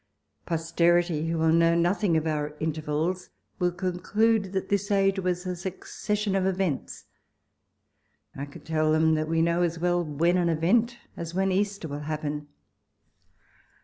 Pos terity, who will know nothing of our intervals, will conclude that this age was a succession of events. I could tell them that we know as well when an event, as when Easter, will happen.